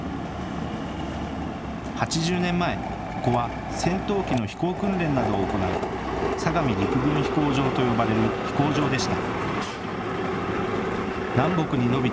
８０年前、ここは戦闘機の飛行訓練などを行う相模陸軍飛行場と呼ばれる飛行場でした。